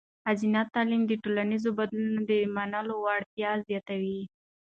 ښځینه تعلیم د ټولنیزو بدلونونو د منلو وړتیا زیاتوي.